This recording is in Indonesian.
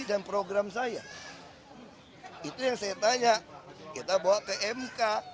dan program saya itu yang saya tanya kita bawa pmk